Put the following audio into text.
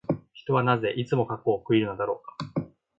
人はなぜ、いつも過去を悔いるのだろうか。